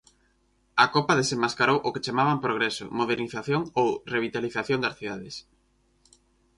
A Copa desenmascarou o que chamaban progreso, modernización ou revitalización das cidades.